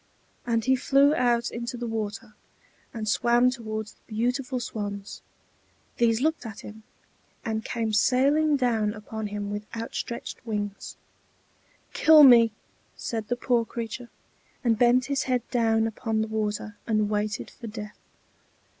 And he flew out into the water, and swam toward the beautiful swans: these looked at him, and came sailing down upon him with outspread wings. "Kill me!" said the poor creature, and bent his head down upon the water, and waited for death.